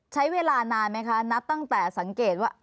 ใช้เวลานานไหมคะนับตั้งแต่สังเกตว่า